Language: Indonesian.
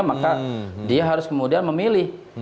maka dia harus kemudian memilih